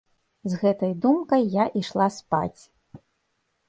З гэтай думкай я ішла спаць.